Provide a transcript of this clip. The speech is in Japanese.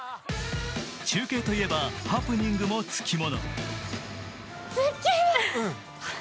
中継といえば、ハプニングもつきもの。